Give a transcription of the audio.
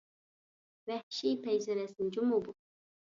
ۋەھشىي پەيزى رەسىم جۇمۇ بۇ!